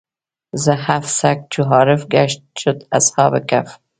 زحف سګ چو عارف ګشت شد اصحاب کهف.